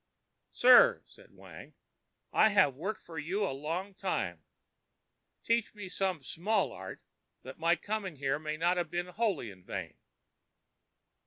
ã ãSir,ã said Wang, ãI have worked for you a long time. Teach me some small art, that my coming here may not have been wholly in vain.